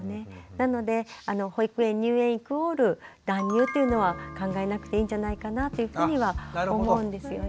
なので保育園入園イコール断乳っていうのは考えなくていいんじゃないかなというふうには思うんですよね。